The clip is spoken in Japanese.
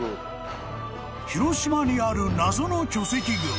［広島にある謎の巨石群］